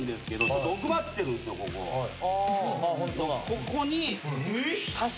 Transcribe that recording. ここに。